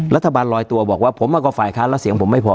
ลอยตัวบอกว่าผมมากับฝ่ายค้านแล้วเสียงผมไม่พอ